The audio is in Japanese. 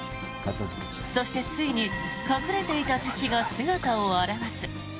そして、ついに隠れていた敵が姿を現す。